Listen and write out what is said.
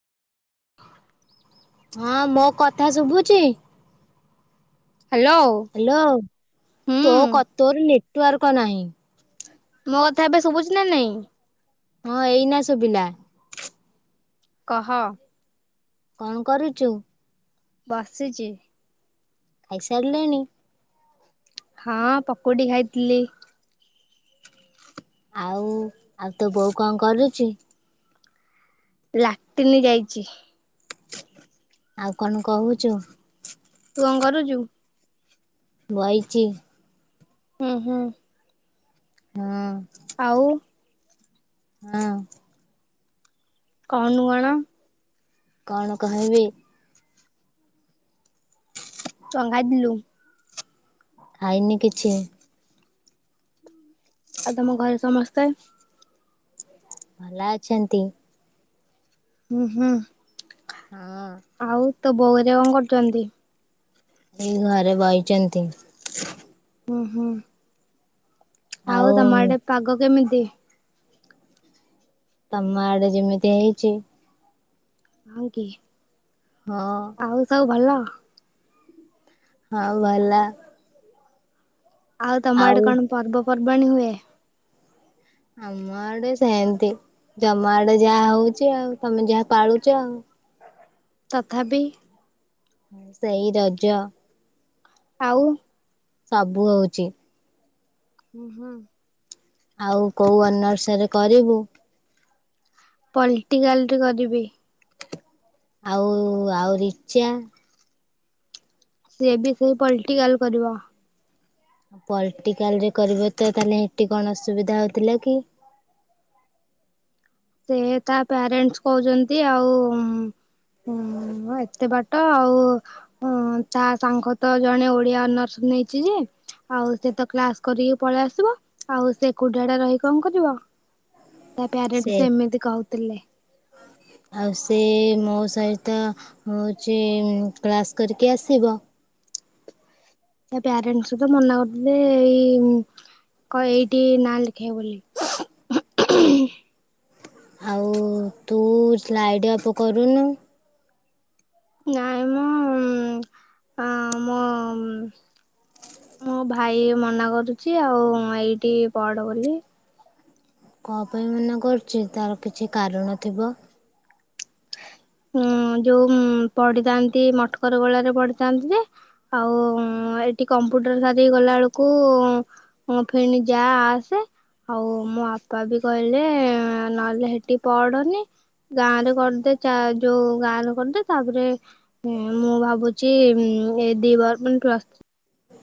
[unintelligible] ହଁ ମୋ କଥା ଥା ସୁବୁଚି? ହ୍ୟାଲୋ। ହ୍ୟାଲୋ ହୁଁ ତୋ କ ତୋର ନେଟୱାର୍କ ନାହିଁ। ମୋ କଥା ଏବେ ଶୁଭୁଚି ନା ନାଇଁ? ହଁ ଏଇନା ଶୁଭିଲା। କହ। କଣ କରୁଚୁ। ବାସିଚି। ଖାଇସାରିଲେଣି? ହଁ ପକୁଡି ଖାଇଥିଲି। ଆଉ ଆଉ ତୋ ବୋଉ କଣ କରୁଚି? ଲାଟିନି ଯାଇଚି। ଆଉ କଣ କହୁଚୁ। ତୁ କଣ କରୁଚୁ? ବଇଚି। ଉଁ ହୁଁ। ହୁଁ। ଆଉ। ହଁ। କହୁନୁ କଣ। କଣ କହିବି? କଣ ଖାଇଥିଲୁ? ଖାଇନି କିଛି। ଆଉ ତମ ଘରେ ସମସ୍ତେ? ଭଲ ଅଛନ୍ତି। ଉଁ ହୁଁ। ହଁ। ଆଉ ତୋ ବୋଉ ହେରିକା କଣ କରୁଚନ୍ତି? ଏଇ ଘରେ ବଇଚନ୍ତି? ଉଁ ହୁଁ ଆଉ ତମର ଆଡେ ପାଗ କେମିତି? ତମ ଆଡେ ଯେମିତି ହେଇଚି। [unintelligible] ହଁ। ଆଉ ସବୁ ଭଲ? ହଁ ଭଲ। ଆଉ ତମ ଆଡେ କଣ ପର୍ବପର୍ବାଣୀ ହୁଏ? ଅମ ଆଡେ ସେନ୍ତି ଜମ ଆଡେ ଯାହା ହଉଚି ଆଉ ତମେ ଯାହା ପାଳୁଚ ଆଉ। ତଥାପି ସେଇ ରଜ ଆଉ ସବୁ ହଉଚି। [inaudible] ଆଉ କଉ ଅନର୍ସରେ କରିବୁ? ପଲ୍ଟିକାଲ୍ ରେ କରିବି। ଆଉ- ଆଉ ରିଚା? ସିଏ ବି ସେଇ ପଲ୍ଟିକାଲ୍ କରିବ। ପଲ୍ଟିକାଲ୍ ରେ କରିବ ତ ତାହେଲେ ଏଠି କଣ ଅସୁବିଧା ହଉଥିଲା କି? ସେ ତା ପ୍ୟାରେଣ୍ଟସ୍ କହୁଚନ୍ତି ଆଉ ହୁଁ -ଏତେ ବାଟ ଆଉ ହଁ ତା ସାଙ୍ଗ ତ ଜଣେ ଓଡିଆ ଅନର୍ସ ନେଇଚି ଯେ ଆଉ ସେ ତ କ୍ଲାସ୍ କରିକି ପଳେଇ ଆସିବ ଆଉ ସେ ଏକୁଟିଆ ଟା ରହିି କଣ କରିବ। ତା ପ୍ୟାରେଣ୍ଟସ୍ ଏମିତି କହୁଥିଲେ। ହଁ ଆଉ ସେ ମୋ ସହିତ ହଉଚି କ୍ଲାସ୍ କରିକି ଆସିବ। ତା ପ୍ୟାରେଣ୍ଟସ୍ ତ ମନା କରିୁଥିଲେ ଏଇ କ- ଏଇଠି ନାଁ ଲେଖେଇବ ବୋଲି। ଆଉ ତୁ ସ୍ଲାଇଡ୍ ଅପ କରୁନୁ ନାଇଁ ମ ଆଁ-ମ ମୋ ଭାଇ ମନା କରୁଚି ଆଉ ଏଇଠି ପଢ ବୋଲି। କଣ ପାଇଁ ମନା କରୁଚି ତାର କିଛି କାରଣ ଥିବ? ହଁ ଯଉ ପଢିଥାନ୍ତି ମଠକରଗୋଳା ରେ ପଢିଥାନ୍ତି ଯେ ଆଉ ଏଠି କମ୍ପ୍ୟୁଟର ସାରିକି ଗଲା ବେଳକୁ ହଁ ଫେଣି ଯା ଆସେ ଆଉ ମୋ ବାପା ବି କହିଲେ ନହେଲେ ହେଟି ପଢ ନି ଗାଁ ରେ କରିଦେ ଚା-ଯଉ ଗାଁ ରେ କରିଦେ ତାପରେ ହଁ ମୁଁ ଭାବୁଚି ମୁଁ ଏଇ ଦି ବର୍ଷ ପ୍ଲସ୍